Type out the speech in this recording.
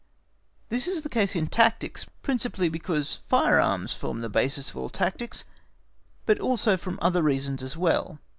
This is the case in tactics, principally because firearms form the basis of all tactics, but also for other reasons as well.